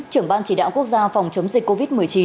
trưởng ban chỉ đạo quốc gia phòng chống dịch covid một mươi chín